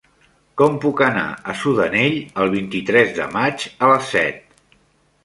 Com puc anar a Sudanell el vint-i-tres de maig a les set?